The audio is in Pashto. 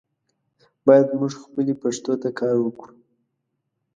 باید مونږ خپلې پښتو ته کار وکړو.